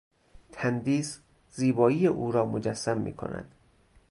تندیس، زیبایی او را مجسم میکند.